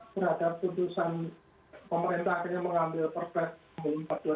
berada putusan pemerintah akhirnya mengambil perspektif ke dua puluh